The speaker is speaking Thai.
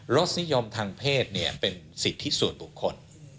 รสนิยมทางเพศเป็นสิทธิส่วนบุคคล